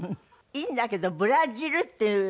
いいんだけど「ブラジル」っていう。